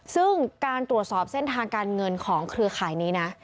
ซึ่งการตรวจสอบเส้นทางการเงินของเครือข่ายนี้นะ